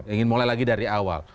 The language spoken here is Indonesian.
ingin mulai lagi dari awal